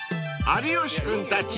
［有吉君たち